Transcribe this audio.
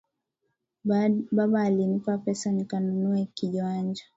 Baba alinipa pesa nikanunue kiwanja.